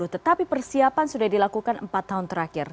tetapi persiapan sudah dilakukan empat tahun terakhir